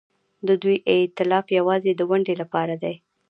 د دوی ائتلاف یوازې د ونډې لپاره دی.